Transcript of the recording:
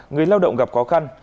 người lao động gặp khó khăn